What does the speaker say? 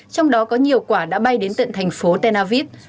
trong đó có nhiều quả đã bay đến tận thành phố tel aviv